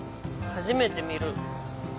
初めて見る。